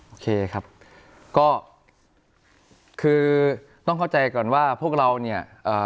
โอเคครับก็คือต้องเข้าใจก่อนว่าพวกเราเนี่ยเอ่อ